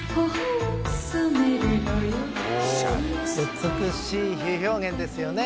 美しい比喩表現ですよね。